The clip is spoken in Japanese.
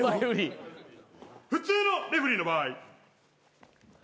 普通のレフェリーの場合。